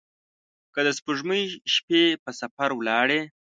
که د سپوږمۍ شپې په سفر ولاړي